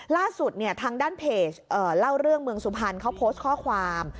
ล่าสุดเนี่ยทางด้านเพจเล่าเรื่องเมืองสุพรรณเขาโพสต์ข้อความ